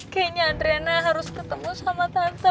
kayaknya adrena harus ketemu sama tante